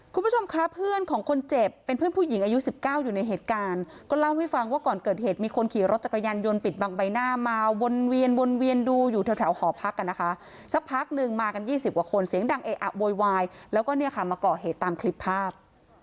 คุณผู้ชมคะเพื่อนของคนเจ็บเป็นเพื่อนผู้หญิงอายุ๑๙อยู่ในเหตุการณ์ก็เล่าให้ฟังว่าก่อนเกิดเหตุมีคนขี่รถจักรยานยนต์ปิดบังใบหน้ามาวนเวียนวนเวียนดูอยู่แถวหอพักกันนะคะสักพักนึงมากัน๒๐กว่าคนเสียงดังเอะอะโวยวายแล้วก็เนี่ยค่ะมาก่อเหตุตามคลิปภาพ